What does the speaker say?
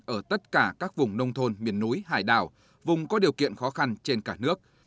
ở tất cả các vùng nông thôn miền núi hải đảo vùng có điều kiện khó khăn trên cả nước